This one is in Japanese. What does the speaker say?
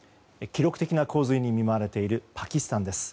記録的な洪水に見舞われているパキスタンです。